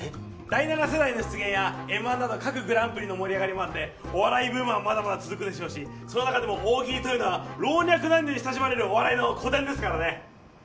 第七世代の出現やＭ−１など各グランプリの盛り上がりもあってお笑いブームはまだまだ続くでしょうしその中でも大喜利というのは老若男女に親しまれるお笑いの古典ですからね！